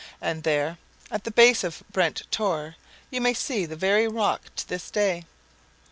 And there at the base of Brent Tor you may see the very rock to this day.